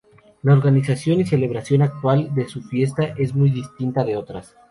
La organización y celebración actual de su fiesta es muy distinta de otras.